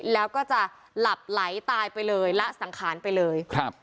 แล้วก็จะหลับไหลตายไปเลยละสังขารไปเลยครับ